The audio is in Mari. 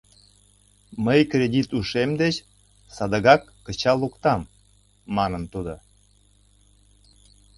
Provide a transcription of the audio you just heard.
— Мый кредит ушем деч садыгак кычал луктам, — манын тудо.